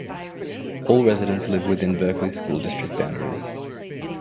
All residents live within Berkley School District boundaries.